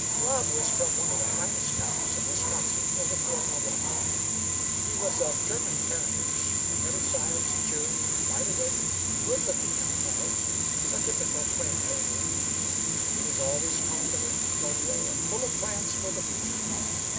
Rob was from one of the finest counties of Wisconsin, over toward Milwaukee. He was of German parentage, a middle sized, cheery, wide awake, good looking young fellow a typical claim holder. He was always confident, jovial, and full of plans for the future.